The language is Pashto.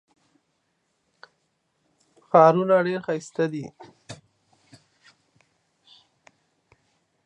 ښارونه ډېر ښایسته دي.